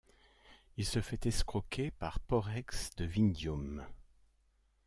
Il se fait escroquer par Porrex de Vindium.